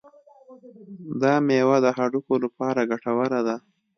دا میوه د هډوکو لپاره ګټوره ده.